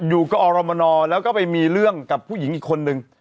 กับอรมนแล้วก็ไปมีเรื่องกับผู้หญิงอีกคนนึง